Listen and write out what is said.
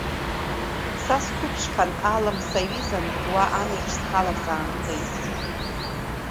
Са сқәыԥшхан, Алым саҩызан, уа, амҩаҿ, схала саанхеит…